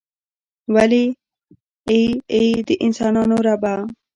ولې ای ای د انسانانو ربه.